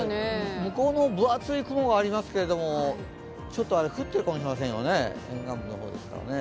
向こうの分厚い雲がありますが、ちょっと降っているかもしれませんね、沿岸部の方ですからね。